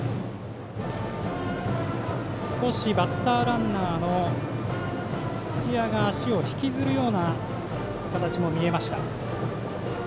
少しバッターランナーの土谷足を引きずるような場面もありました。